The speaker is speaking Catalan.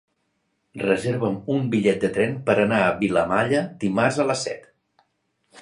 Reserva'm un bitllet de tren per anar a Vilamalla dimarts a les set.